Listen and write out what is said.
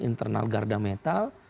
internal garda metal